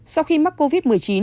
sau khi mắc covid một mươi chín